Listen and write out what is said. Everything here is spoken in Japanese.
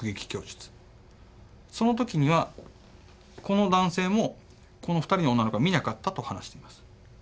その時にはこの男性もこの２人の女の子は見なかったと話しています。